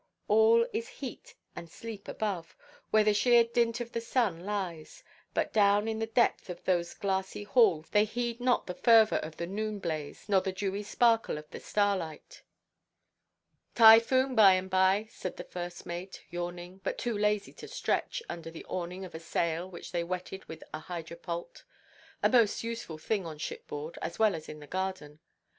All is heat and sleep above, where the sheer dint of the sun lies; but down in the depth of those glassy halls they heed not the fervour of the noon–blaze, nor the dewy sparkle of starlight. "Typhoon by–and–by," said the first mate, yawning, but too lazy to stretch, under the awning of a sail which they wetted with a hydropult, a most useful thing on shipboard, as well as in a garden.